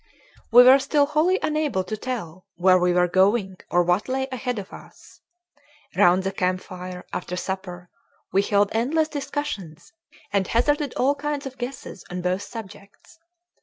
We were still wholly unable to tell where we were going or what lay ahead of us. Round the camp fire, after supper, we held endless discussions and hazarded all kinds of guesses on both subjects.